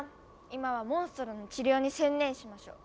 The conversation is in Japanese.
今はモンストロの治療に専念しましょう。